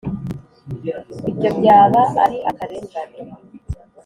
ibyo byaba ari akarengane.